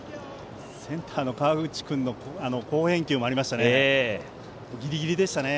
センターの河内君の好返球もありましたね。